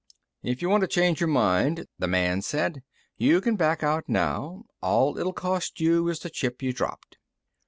"If you want to change your mind," the man said, "you can back out now. All it'll cost you is the chip you dropped."